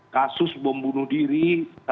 kasus bom bunuh diri salah satu tempat ibadah